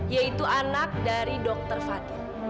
yaitu anak dari dokter fadil